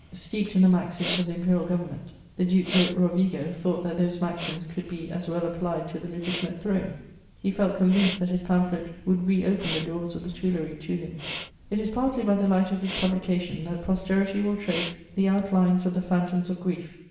Steeped in the maxims of the imperial government, the Duc de Rovigo thought that those maxims could be as well applied to the legitimate throne; he felt convinced that his pamphlet would reopen the doors of the Tuileries to him. It is partly by the light of this publication that posterity will trace the outlines of the phantoms of grief.